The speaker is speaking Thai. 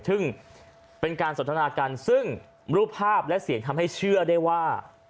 ซึ่งเป็นการสนทนากันซึ่งรูปภาพและเสียงทำให้เชื่อได้ว่า